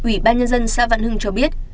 ủy ban nhân dân xã vạn hưng cho biết